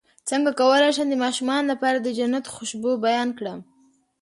څنګه کولی شم د ماشومانو لپاره د جنت خوشبو بیان کړم